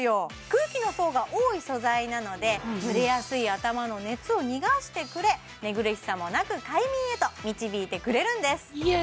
空気の層が多い素材なので蒸れやすい頭の熱を逃がしてくれ寝苦しさもなく快眠へと導いてくれるんですいや